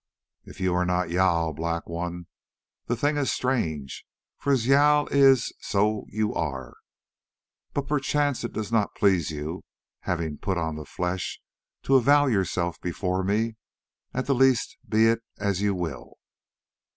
"If you are not Jâl, Black One, the thing is strange, for as Jâl is so you are. But perchance it does not please you, having put on the flesh, to avow yourself before me. At the least be it as you will.